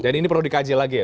dan ini perlu dikaji lagi ya